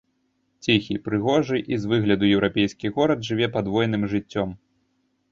Ціхі, прыгожы і з выгляду еўрапейскі горад жыве падвойным жыццём.